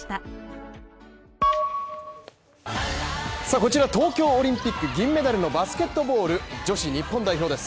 こちら東京オリンピック銀メダルのバスケットボール女子日本代表です。